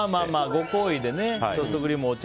ご厚意でソフトクリームとお茶